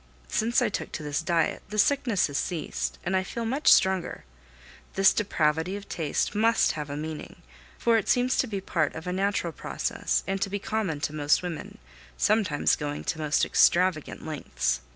Since I took to this diet, the sickness has ceased, and I feel much stronger. This depravity of taste must have a meaning, for it seems to be part of a natural process and to be common to most women, sometimes going to most extravagant lengths.